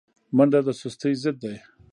منډه د سستۍ ضد ده